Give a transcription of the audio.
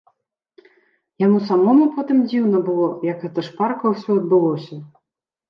Яму самому потым дзіўна было, як гэта шпарка ўсё адбылося.